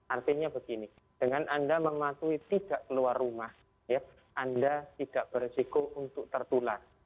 artinya begini dengan anda mematuhi tidak keluar rumah anda tidak beresiko untuk tertular